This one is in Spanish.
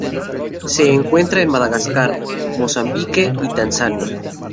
Se encuentra en Madagascar, Mozambique y Tanzania.